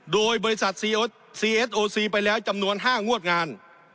โดยบริษัทซีเอสโอซีไปแล้วจำนวน๕งวดงาน